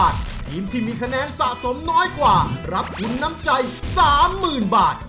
ทีมที่มีคะแนนสะสมน้อยกว่ารับทุนน้ำใจ๓๐๐๐บาท